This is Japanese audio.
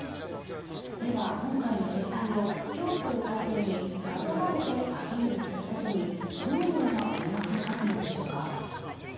では、今回の撤退をピョートル大帝になぞらえてアピールすることにどのような思惑があるのでしょうか。